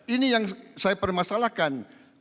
ini yang saya permasalahkan